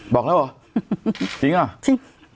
บอกแล้วเหรอจริงเหรอจริง